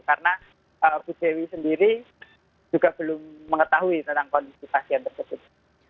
karena bu dewi sendiri juga belum mengetahui tentang kondisi pasien tersebut